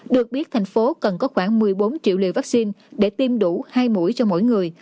được biết thành phố cần có khoảng một mươi bốn triệu liều vaccine để tiêm đủ hai mũi cho mỗi người